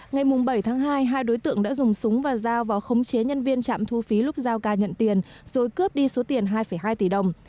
ngày bảy tháng hai hai đối tượng đã dùng súng và dao vào khống chế nhân viên trạm thu phí lúc dao ca nhận tiền rồi cướp đi số tiền hai hai tỷ đồng